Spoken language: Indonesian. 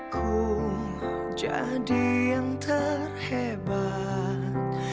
cuma buat roman